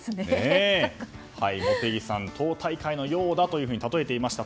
茂木さん、党大会のようだと例えていました。